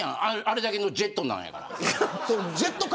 あれだけのジェットなんやから。